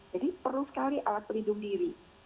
jadi perlu sekali alat perlindung diri